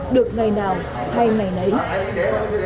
được ngày nào cũng được